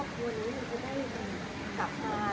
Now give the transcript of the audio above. ทำไมไม่ได้กลับมา